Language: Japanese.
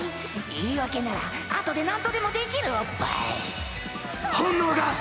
言い訳ならあとでなんとでもできるおっぱい。